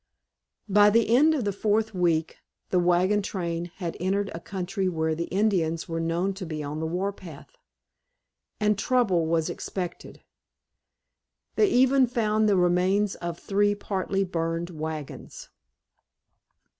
By the end of the fourth week the wagon train had entered a country where the Indians were known to be on the war path, and trouble was expected. They even found the remains of three partly burned wagons.